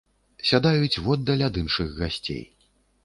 Сядаюць воддаль ад іншых гасцей.